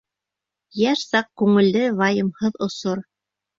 Йәш саҡ — күңелле, вайымһыҙ осор.